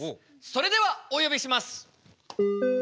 それではおよびします。